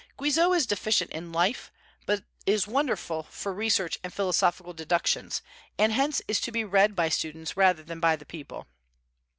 Guizot is deficient in life, but is wonderful for research and philosophical deductions, and hence is to be read by students rather than by the people.